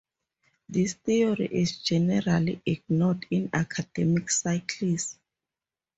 This theory is generally ignored in academic circles.